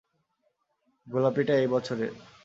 গোলাপিটা এই বছরের।